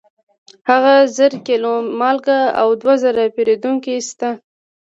هلته زر کیلو مالګه او دوه زره پیرودونکي شته.